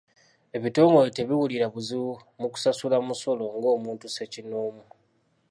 Ebitongole tebiwulira buzibu mu kusasula omusolo nga omuntu sekinnoomu.